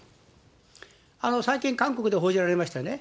最近韓国で報じられましたね。